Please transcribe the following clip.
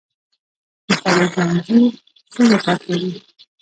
د خوړو زنځیر څنګه کار کوي؟